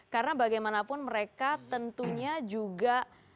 karena bagaimanapun mereka tentunya juga